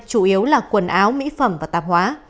chủ yếu là quần áo mỹ phẩm và tạp hóa